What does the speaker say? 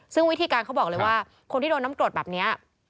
ซึ่งวิธีการเขาบอกเลยว่าคนที่โดนน้ำกรดแบบนี้